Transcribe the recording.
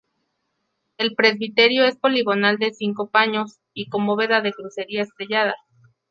El presbiterio es poligonal, de cinco paños, y con bóveda de crucería estrellada.